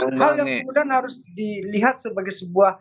hal yang kemudian harus dilihat sebagai sebuah